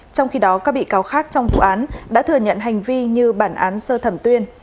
trong khi đó các bị cáo khác trong vụ án đã thừa nhận hành vi như bản án sơ thẩm tuyên